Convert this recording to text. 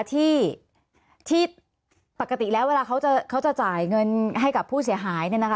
ที่ปกติแรกถ่ายเงินให้ผู้เสียหาย